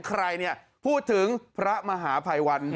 ใครพูดถึงพระมหาภัยวัล